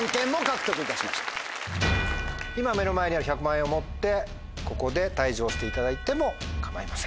今目の前にある１００万円を持ってここで退場していただいても構いません。